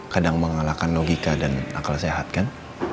kadang mengalahkan logika dan akal sehat kan